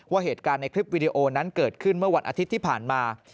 ว่าเหตุการณ์ในคลิปวิดีโอนั้นเกิดขึ้นเมื่อวันอาทิตย์ที่ผ่านมา